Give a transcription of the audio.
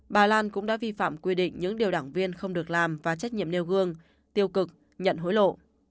bà lan cũng đã vi phạm quy định những điều đảng viên không được làm và trách nhiệm nêu gương tiêu cực nhận hối lộ